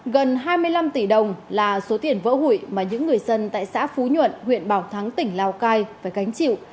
gần hai mươi năm tỷ đồng là số tiền vỡ hụi mà những người dân tại xã phú nhuận huyện bảo thắng tỉnh lào cai phải gánh chịu